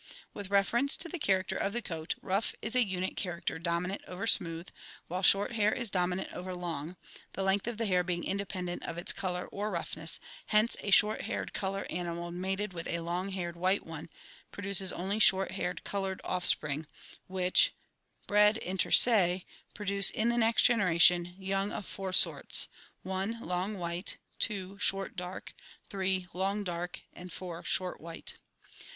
With reference to the character of the coat, rough is a unit character dominant over smooth, while short hair is dominant over long, the length of the hair being independent of its color or roughness, hence a short haired colored animal mated with a long haired white one produces only short haired colored offspring, which, bred inter se, produce in the next generation young of four sorts: (i) long white, (2) short dark, (3) long dark, and (4) short white.